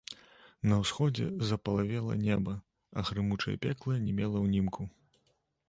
На ўсходзе запалавела неба, а грымучае пекла не мела ўнімку.